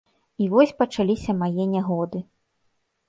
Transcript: І вось пачаліся мае нягоды.